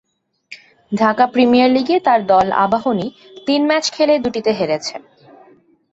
Dhaka premier লিগে তাঁর দল আবাহনী তিন ম্যাচ খেলে দুটিতে হেরেছে।